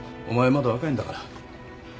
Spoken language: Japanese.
まだ若いんだから。